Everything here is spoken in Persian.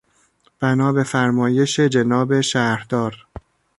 بنا به فرمایش جناب شهردار